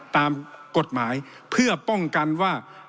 ตามกฎหมายเพื่อป้องกันว่า